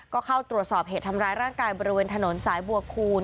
ก็เข้าตรวจสอบเหตุทำร้ายร่างกายบริเวณถนนสายบัวคูณ